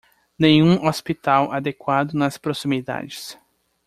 Nenhum hospital adequado nas proximidades